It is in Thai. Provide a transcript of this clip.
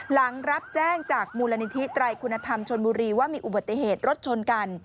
หลังรับแจ้งจากมูลนิธิไตรคุณธรรมชนบุรีว่ามีอุบัติเหตุรถชนกัน